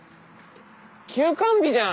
休館日じゃん。